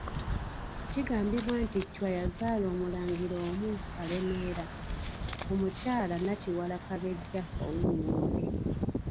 Kigambibwa nti Chwa yazaala omulangira omu Kalemeera ku mukyala Nakiwala Kabejja ow'Engonge.